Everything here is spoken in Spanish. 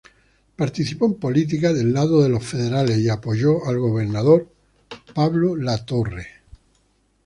Participó en política del lado de los federales, y apoyó al gobernador Pablo Latorre.